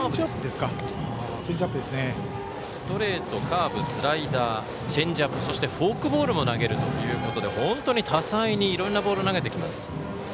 ストレート、カーブスライダー、チェンジアップそして、フォークボールも投げるということで本当に多彩にいろんなボール投げてきます。